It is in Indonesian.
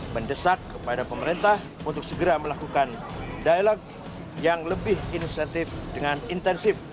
mendesak kepada pemerintah untuk segera melakukan dialog yang lebih inisiatif dengan intensif